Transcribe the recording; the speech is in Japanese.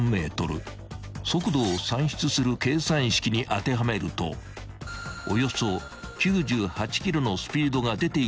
［速度を算出する計算式に当てはめるとおよそ９８キロのスピードが出ていたことが明らかに］